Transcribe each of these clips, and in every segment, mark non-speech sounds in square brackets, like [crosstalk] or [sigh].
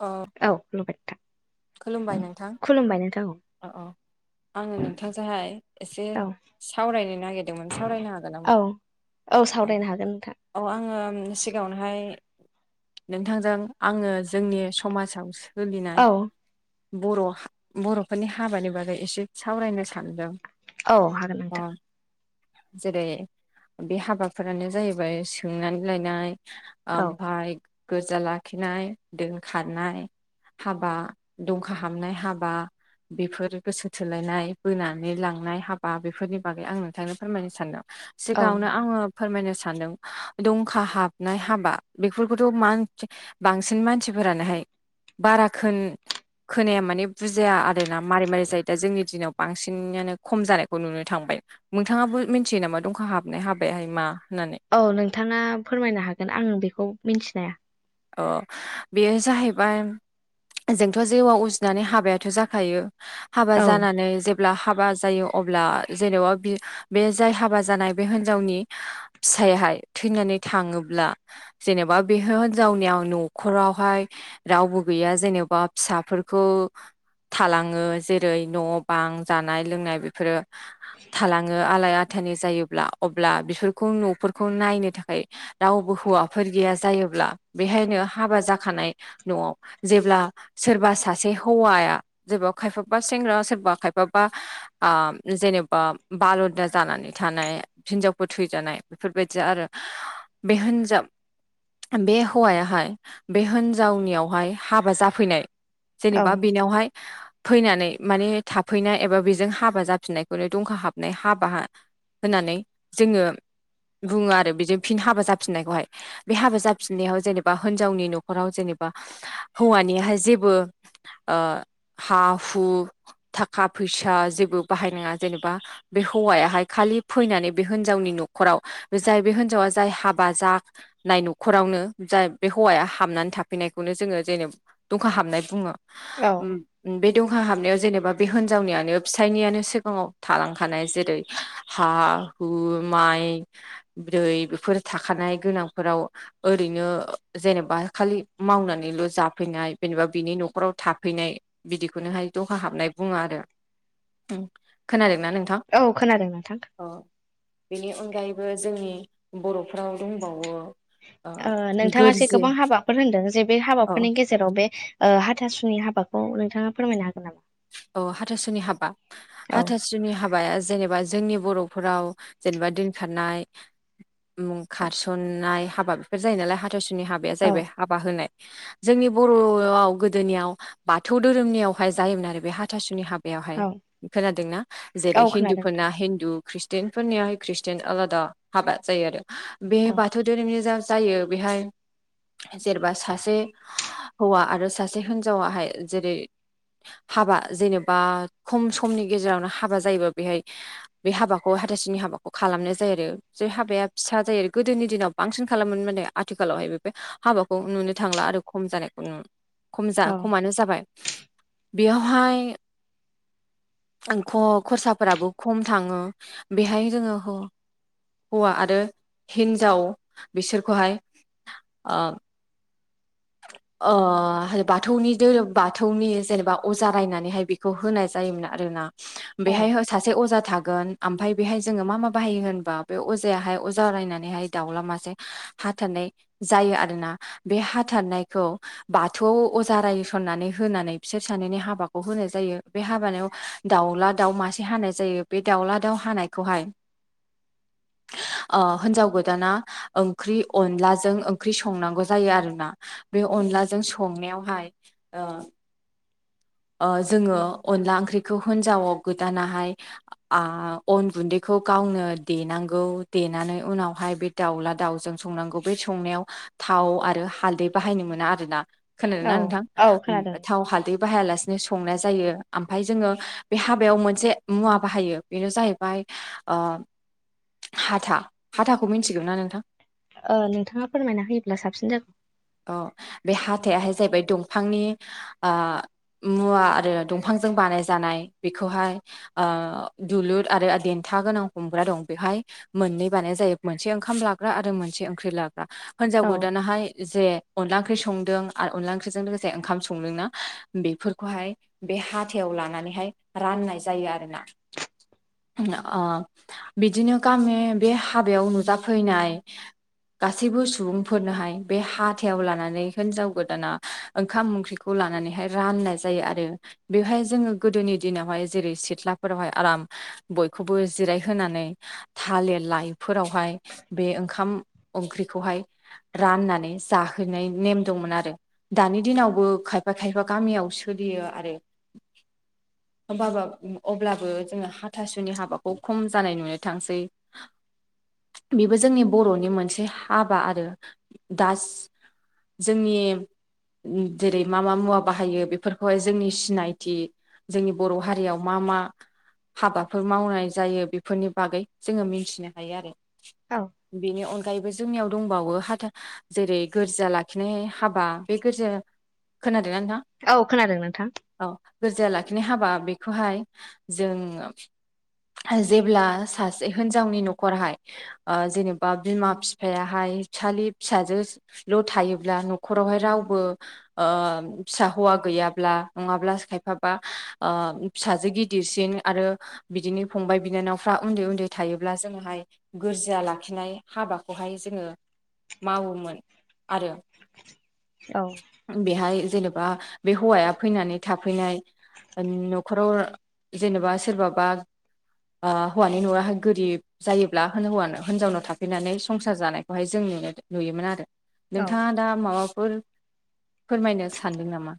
अ औ [unintelligible] खुलुमबाय नोंथां खुलुमबाय नोंथां औ अ अ आङो नोंथांजोंहाय एसे औ सावरायनो नागिरदोंमोन सावरायनो हागोन औ नामा औ सावरायनो हागोन नोंथां औ आङो सिगाङावनोहाय नोंथांजों आङो जोंनि समाजाव सोलिनाय औ बर' बर'फोरनि हाबानि बागै एसे सावरायनो सानदों औ हागोन अ नोंथां जेरै बे हाबाफोरानो जाहैबाय सोंनानै लायनाय औ ओमफफ्राय गोजा लाखिनाय दोनखनाय हाबा दंखा हाबनाय हाबा बेफोर गोसो थोलायनाय बोनानै लांनाय हाबा बेफोरनि बागै आं नोंथांनो फोरमायनो सानदों औ सिगाङावनो नोंथां आङो फोरमायनो सान सानदों दंखा हाबनाय हाबा बेफोरखौथ' मानस बांसिन मानसिफोरानोहाय बाराखोन खोनाया माने बुजाया आरोना मारै मारै जायो दा जोंनि दिनाव बांसिनानो खम जानायखौ नुनो मोन थांबाय नोंथाङाबो मिथियो नामा दंखा हाबनाय हाबायहाय मा होननानै? औ नोंथाङा फोरमायनो हागोन आं बेखौ मिथिनाया औ बेयो जाहैबाय जोंथ' जेवआव उजिनानै हाबायाथ' जाखायो हाबा औ जानानै जे ब्ला हाबा जायो अब्ला जेनेबा बे जाय हाबा जानाय बे हिनजावनि फिाइहाय थैनानै थाङोब्ला जेनेबा बेह हिनजावनियाव न'खरावहाय रावबो गैया जेनेबा फिसाफोरखौ थालाङो जेरै न' बां जानाय लोंनाय बेफोरो थालाङो आलाय थानि जायोब्ला अब्ला बिफोरखौ न'फोरखौ नायनो थाखाय रावबो हौवाफोर गैया जायोब्ला बेहायनो हाबा जाखानाय न'आव जेब्ला सोरबा सासे हौवाया जे खायफाबा सेंग्रा सोरबा खायफाबा आ जेनेबा बालुदा जानानै थानाय हिनजावफोर थैजानाय बेफोरबायदि आरो बे होनजा ब हौवायाहाय बे हिनजावनियावहाय हाबा जाफैनाय औ जेनेबा बेनावहाय फैनानै माने थाफैनाय एबा बेजों हाबा जाफिननायखौनो दंखा हाबनाय हाबा होनानै जोङो बुङो आरो बिजों फिन हाबा जाफिननायखौहाय बे हाबा जाफिननायाव जेनेबा हिनजावनि न'खराव जेनेबा हौवानिाय जेबो ओ हा हु थाखा फैसा जे बा जेनेबा बे ह फैनानै बे हिनजावनि न'खराव जाय बे हिनजावा जाय हाबा जानाय न'खरावनो जाय बे हौवाया हाबनानै थाफैनायखौनो जोङो जेनेब दुंखा हाबनाय बुङो औ बे दुंखा हाबनायाव जेनेबा बे हिनजावनियानो फिसाइनियानो सिगाङाव थालांखानाय जेरै हा हु माय थै बेफोर थाखानाय गोनांफोराव ओरैनो जेनेबा खालि मावनानैल' जाफैनाय जेनेबा बिनि न'खराव थाफैनाय बिदिखौनोहाय दखा हाबनाय बुङो आरो खोनादों। नोंथां औ खोनादों नोंथां बेनि अनगायैबो जोंनि। बर'फ्राव दंबावो। ओ ओनोंथाङा जे गोरजि गोबां हाबाफोर होनदों जे बे औ हाबाफोरनि गेजेराव बे। ओ हाथासुनि हाबाखौ नोंथाङा फोरमायनो हागोन नामा। औ हाथासुनि हाबा औ हाथासुनि हाब। बाया जेनेबा जोंनि बर'फोराव जेनेबा दोनखारनाय। उ खारसननाय हाबा बेफोर जायो नालाय हाथाइसुनि हाबाया औ जाहैबाय हाबा होनाय। जोंनि बर'आव गोदोनियाव बाथौ धोरोमनियावहाय जायोमोन आरो बे हाथासुनि हाब। बेवहाय औ खोनादोंना औ जेरै खोनादों नोंथां हिन्दुफोरना हिन्दु। खृषटियानफोरनियाहाय खृषटियान आलादा हाबा जायो आरो बे औ बाथौ धोरोमनि जा। जायो बेहाय। जेरबा सासे हौवा आरो सासे हिनजावाहाय जेरै। हाबा जेनेबा खम समनि गेजेरावनो हाबा जायोब बेहाय बे हाबाखौ हाथासुनि। हाबाखौ खालामनाय जायो आरो जे हाबाया फिसा जायो गोदोनि दिनाव बांसिन खालामोन माने आथिखालावहाय बे। हाबाखौ नुनो थांला आरो खम जानायखौ खम औ खमानो जाबाय। बेयावहाय। आंथ खरसाफोराबो खम थाङो बेहाय जोङो। हौवा आरो हिन्जाव बिसोरखौहाय ओ। [unintelligible] [inaudible] अ बाथौनि धोरोम बाथौनि जेनेबा अजा रायनानैहाय बेखौ होनाय जायोमोन आरोना। औ बेहाय सासे अजा था। गोन ओमफाय जों बेहाय मा मा बाहायो होनबा बेयाव अजाया अजारायनानै दाउला मासे। हाथारनाय जायो आरोना बे ह। थार नायखौ बाथौआव अजा रायसननानै होनानै बिसोर सानैनि हाबाखौ होनाय जायो बे। हाबानायाव दाउला दाउ मासे हानाय जायो बे दाउला दाउ हानायखौ हाय। [unintelligible] [inaudible] अह हिन्जाव गोदाना ओंख्रि अनलाजों ओंख्रि संनांगौ जायो आरोना। बे अनलाजों संनायावहाय ओ। ओ जोङो अनला ओंख्रिखौ हिन्जावाव गोदानाहाय अन गुन्दैखौ गाव। गावनो देनांगौ देनानै उनावहाय बे दाउला दाउजों संनांगौ बे संनायाव थाव। थाव आरो हालदै बाहायनो मोना आरोना खोनादों औ ना नोंथां औ खोनादों थाव हालदै। बाहायालासेनो संनाय जायो ओमफ्राय जोङो बे हाबायाव मोनसे मुवा बाहायो बेनो जाहैबाय। ओ हाथा हाथाखौ मिथिगोना नोंथां। ओ नोंथाङा फोरमायना होयोब्ला साबसिन जागौ। औ बे हाथाइाहाय जाहैबाय दं। फांनि मुवा आरो दंफांजों बानाय जानाय बेखौहाय ओ। ओ दुलुर आरो देन्था गोनां हमग्रा दं बेवहाय मोननै बानाय जायो मोनसे ओंखाम लाग्रा। आरो मोनसे ओंख्रि लाग्रा हिनजाव औ गोदानाहाय जे। अनला ओंख्रि संदों आरो अनला ओंख्रिजों लोगोसे ओंखाम संदों ना बेफोरखौहाय बे हाथायाव। लनानै राननाय जायो आरोना। ओ बिदिनो गामि बे हाबायाव नुजाफैनाय। गासैबो सुबुंफोरनोहाय बे हा। हाथायाव लानानै हिनजाव गोदाना ओंखाम ओंख्रिखौ लानानैहाय राननाय जायो आरो बेहाय। जोङो गोदोनि दिनावहाय जेरै सिथ्लाफोरावहाय आराम बयखौबो जिरायहोनानै। थालिर लाइफोरावहाय बे ओंखाम ओंख्रिखौहाय राननानै जाहो। फेरनाय नेम दंमोन आरो दानि दिनावबो खायफा खायफा गामियाव सोलियो आरो। [unintelligible] [inaudible] होमबाबो अब्लाबो जोङो हाथासुनि हाबाखौ खम जानाय नुनो थांसै। बेबो जोंनि बर'नि मोनसे हाबा आरो दा। जोंनि जेरै मा मा मुवा बाहायो बेफोरखौहाय जोंनि सिनायथि जोंनि बर' हारियाव मा मा हाबाफोर मावनाय जायो बेफोरनि बागै जोङो मिथिनो हायो आरो औ बेनि अनगायैबो जोंनियाव दंबावो हाथार जेरै गोर्जा लाखिनाय हाबा बे गोरजा खोनादो औ खोनादों नोंथां [inaudible] [unintelligible] माने हाबा बेखौहाय जों हो जेब्ला सासे हिनजावनि न'खरहाय ओ जेनेबा बिमा बिफायाहाय फिसालि फिसाजो ल' थायोब्ला न'खरावहाय रावबो ओ फिसा हौवा गैयाब्ला नङाब्ला खायफाबा ओ फिसाजो गिदिरसिन आरो बिदिनो फंबाय बिनानावफ्रा उन्दै उन्दै थायोब्ला जोङोहाय गोरजिया लाखिनाय हाबाखौहाय जोङो मावोमोन। आरो औ बेहाय जेनेबा बे हौवाया फैनानै थाफैनाय न'खराव जेनेबा सोरबाबा ओ हौवानि न'खरहा गोरिब जायोब्ला होने हिनजावनाव थाफैनानै संसार जानायखौहाय जों नुयोमोन आरो औ नोंथाङा दा माबाफोर फोरमायनो सानदों नामा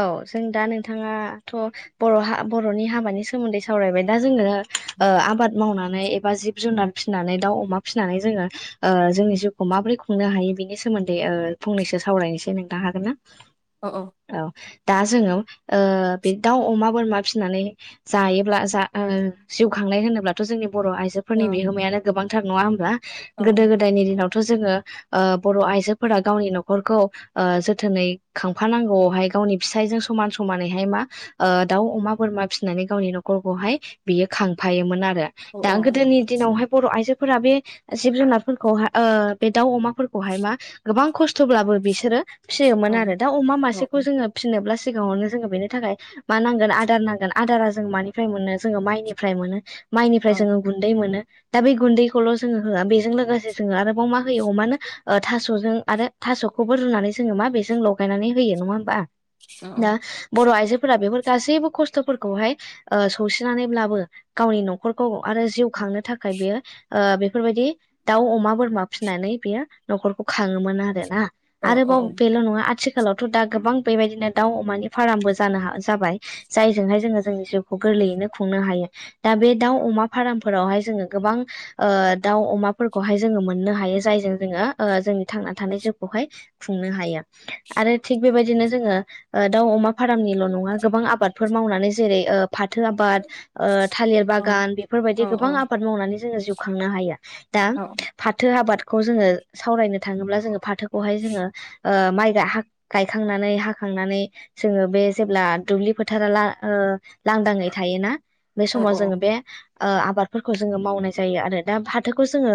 औ जों दा नोंथाङाथ' बर' बर'नि हाबानि सोमोन्दै सावरायबाय दा जोङो। ओ आबाद मावनानै एबा जिब जुनार फिसिनानै दाउ अमा फिसिनानै जोङो ओ जोंनि जिउखौ माबोरै खुंनो हायो? बिनि सोमोन्दै ओ फंनैसो सावरायनोसै नोंथां हागोन ना अह अह औ दा जोङो ओ बे दाउ अमा बोरमा फिसिनानै जायोब्ला जा ओ जिउ खांनाय होनोब्लाथ' जोंनि बर' औ आइजोफोरनि बिहोमायानो गोबांथार नङा होमबा औ गोदो गोदायनि दिनाव थ' जोङो ओ बर' आइजोफोरा गावनि न'खरखौ ओ जोथोनै खांफानांगौ ओमफाय गावनि फिसायजों समान समानैहाय मा ओ दाव अमा बोरमा फिसिनानै गावनि नखरखौ हाय बि बियो खांफायोमोन आरो औ दा गोदोनि दिनावहाय बर' आयजो फोरा बे जिब जुनारफोरखौहाय बे ओ दाउ अमाफोरखौहाय मा गोबां खस्थ'ब्लाबो बिसोरो औ फिसियोमोन आरो दा अमा औ मासेखौ जोङो फिसिनोब्लासो सिगाङावनो जोङो बेनि थाखाय मा नांगोन आदार नांगोन आदारा जों मानिफ्राय मोनो जोङो माइनिफ्राय मोनो औ माइनिफ्राय जोङो गुन्दै मोनो। दा बे गुन्दैखौल' जोङो होआ बेजों लोगोसे जोङो आरोबाव मा होयो हमानो ओ थास'जों आरो थास'खौबो रुनानै जोङो मा बेजों लगायनानै होयो नङा होमबा औ दा बर' आइजो फोर बेफोर गासैबो खस्थ'फोरखौहाय ओ सौसिनानैब्लाबो गावनि न'खरखौ आरो जिउ खांनो थाखाय बेयो ओ बेफोरबायदि दाउ अमा बोरमा फिसिनानै बेयो न'खरखौ खाङोमोन आरो ना औ आरोबाव बेल' नङा आथिखालावथ' दा गोबां बेबायदिनो दाउ अमानि फार्मबो जानो हा जाबाय जायजोंहाय जोङो जोंनि गोरलैयैनो खुंनो हायो दा बे दाउ अमा फारमफोरावहाय जोङो गोबां ओ दाउ अमाफोरखौहाय जोङो मोननो हायो जायजों जोङो ओ जोंनि थांनानै थानाय जिउखौहाय खुंनो हायो आरो थिग बेबायदिनो जोङो ओ दाउ अमा फर्मनिल' नङा गोबां आबादफोर मावनानै जेरै ओ फाथो आबाद ओ थालिर औ बागान बेफोरबायदि औ गोबां आबाद मावनानै जोङो जिउ खांनो हायो दा उम फाथो आबाद खौ जोङो सावरायनो थाङोब्ला जोङो फाथोखौहाय जोङो ओ माइ हा गायखांनानै हाखांनानै जोङो बे जेब्ला दुब्लि फोथारा ला लांदांङै थायोना बे औ उम औ समाव जोङो बे ओ आबादफोरखौ जोङो मावनाय जायो आरो दा फाथोखौ जोङो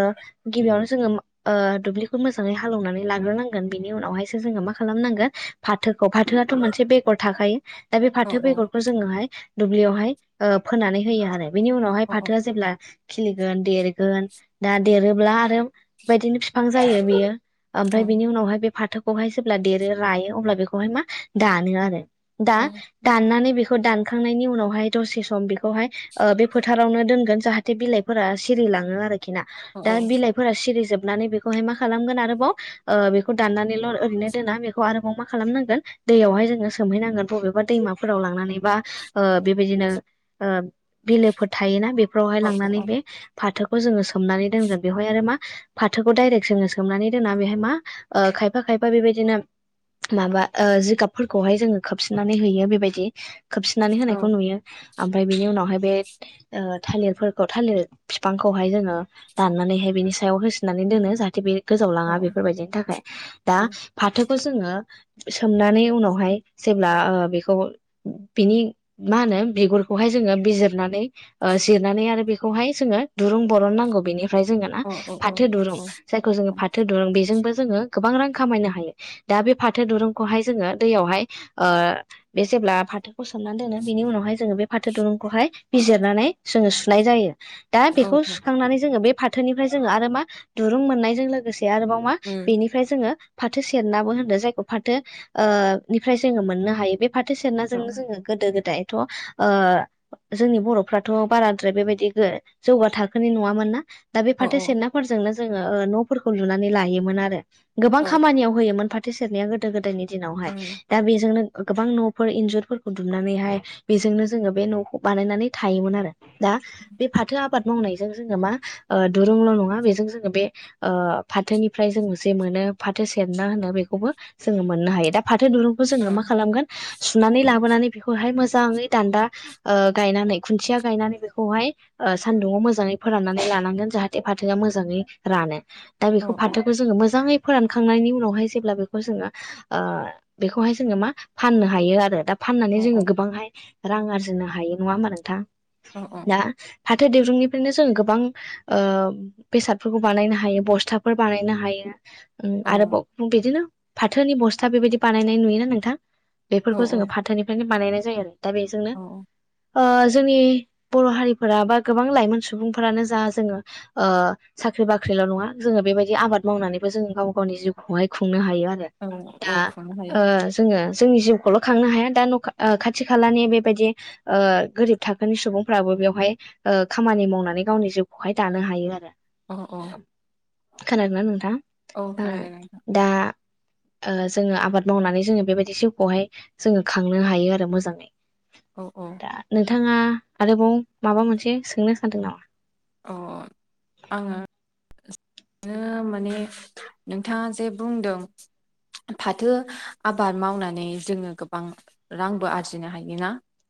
गिबियावनो जोङो ओ दुब्लिखौ मोजाङै हाल एवनानै लाग्रोनांगोन बिनि उनाव हायसो जोङो माखालाम नांगोन फाथो फाथोखौ फाथोआथ' मोनसे बेगर थाखायो दा बे फाथो बेगरखौ जोङोहाय दुब्लियावहाय ओ फोननानै होयो आरो बेनि उनावहाय फाथोआ जेब्ला खिलिगोन देरगोन दा देरोब्ला आरो बेबायदिनो बिफां जायो बेयो ओमफ्राय बिनि उनावहाय बे फाथोखौहाय जेब्ला देरो रायो अब्ला बेखौ हाय मा दानो आरो दा दाननानै बेखौ दानखांनायनि उनावहाय दसे सम बे खौहाय ओ बे फोथारावनो दोनगोन जाहाथे बिलाइफोरा सिरिलाङो आरो। दा बिलाइफोरा सिरि जोब नानै बेखौहाय मा आरोबाव ओ दाननानैल' ओरैनो दोना बेखौ आरोबाव मा खालामनांगोन दैयावहाय जोङो सोमहैनांगोन बबेबा दैमाफोराव लांनानै बा ओ बेबायदिनो ओ बिलोफोर थायोना बेफोरावहाय लांनानै बे फाथो खौ जोङो सोमनानै दोनगोन बेवहाय आरो मा फाथोखौ दाइरेक्ट जोङो सोमनानै दोनना बेवहाय मा ओ खायफा खाय फा बेबायदिनो माबा ओ जिगाबफोरखौहाय जोङो खोबसिननानै होयो बेबायदि खोबसिननानै होनायखौ नुयो। ओमफ्राय बेनि उनावहाय बे ओ थालिरफोरखौ थालिर बिफांखौहाय जोङो दाननानैहाय बिनि सायाव होसोनानै दोनो जाहाथे बे गोजाव लाङा बेफोरबायदिनि थाखाय। दा फाथोखौ जोङो सोमनानै उनावहाय जेब्ला ओ बेखौ बिनि मा होनो बिगुरखौहाय जोङो बिजिरनानै ओ जिरनानै आरो बेखौहाय जोङो दुरुं बरन नांगौ बेनिफ्राय जोङो ना औ फाथो दुरुं जायखौ जोङो फाथो दुरुं बेजोंबो जोङो गोबां रां खमायनो हायो। दा बे फाथो दुरुंखौहाय जोङो दैयावहाय ओ बे जेब्ला फाथो होसननानै दोनो बिनि उनावहाय जोङो बे फाथो दुरुंखौहाय बिजिरनानै जोङो सुनाय जायो। दा बेखौ सुखांनानै जोङो बे फाथोनिफ्राय जोङो आरो मा दुरुं मोननायजों लोगोसे आरोबाव मा बेनिफ्राय जोङो फाथो सेरनाबो होनदों जाय खौ फाथो ओ निफ्राय जोङो मोननो हायो। बे फाथो सेरनाजोंनो जोङो गोदो गोदाय थ' ओ जोंनि बर'फ्राथ' बाराद्राय बेबायदि जौगा थाखोनि नङामोन ना दा बे फाथो सेरनाफोरजोंनो जोङो ओ न'फोरखौ लुनानै लायोमोन आरो गोबां खामानियाव होयोमोन फा थो सेरनाया गोदो गोदायनि दिनावहाय। दा बेजोंनो गोबां न'फोर इन्जुरफोरखौ दुमनानैहाय बेजोंनो जोङो बे न'खौ बानायनानै थायोमोन आरो। दा बे फाथो आबाद मावनायजों जोङो मा ओ दुरुंल' नङा बेजों जोङो बे ओ फाथोनिफ्राय जोङो जे मो नो फाथो सेरना होनो बेखौबो जोङो मोननो हायो। दा फाथो दुरुंखौ जोङो मा खालामगोन सुनानै लाबोनानै बेखौहाय मोजाङै दान्दा ओ गायनानै खुन्थिया गायनानै बेखौहाय ओ सान्दुङाव मोजाङै फोराननानै लानांगोन जाहाथे फाथोआ मोजाङै रानो। दा बेखौ फाथोखौ जोङो मोजाङै फोरानखांनायनि उनावहाय जेब्ला बे खौ जोङो ओ बेखौहाय जोङो मा फाननो हायो आरो। दा फाननानै जोङो गोबांहाय रां आरजिनो हायो नङा होमबा नोंथां? औ दा फाथो दिरुंनिफ्रायनो जोङो गोबां ओ बेसादफोरखौ बानायनो हायो बस्थाफोर बानायनो हायो ओम औ आरोबाव बिदिनो फाथोनि बस्था बेबायदि बानायनाय नुयोना नोंथां। औ बेफोरखौ जोङो फाथोनिफ्रायनो बानायनाय जायो आरो दा बेजोंनो औ जोंनि बर' हारिफोरा बा गोबां लाइमोन सुबुंफोरानो जा जोङो ओ सा ख्रि-बाख्रिल' नङा जोङो बेबायदि आबाद मावनानैबो जोङो गाव गावनि जिउखौहाय खुंनो हायो। औ औ दा खुंनो हायो ओ जोङो जोंनि जिउखौल' खांनो हाया। दा न' खाथि खालानि बेबायदि ओ गोरिब थाखोनि सुबुंफ्राबो बेवहाय ओ खामानि मावनानै गावनि जिउखौहाय दानो हायो आरो। अ' अ' खोनादोंना नोंथां ओ नोंथां दा ओ जोङो आबाद मावनानै जोङो बेबायदि जिउखौहाय जोङो खांनो हायो आरो मोजाङै। औ औ दा नोंथाङा आरोबाव माबा मोनसे सोंनो सानदों नामा? अ' आङो [unintelligible] माने नोंथाङा जे बुंदों फाथो आबाद मावनानै जोङो गोबां रांबो आरजिनो हायोना